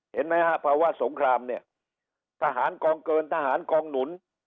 เห็นไหมฮะภาวะสงครามเนี่ยทหารกองเกินทหารกองหนุน